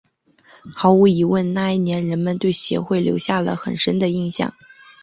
毫无疑问那一年人们对协会留下了很深的印象。